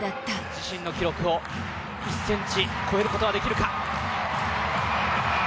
自身の記録を１ｃｍ超えることができるか。